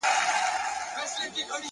کيسې د پروني ماښام د جنگ در اچوم ـ